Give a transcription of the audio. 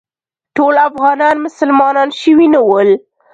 ټول افغانان مسلمانان شوي نه ول.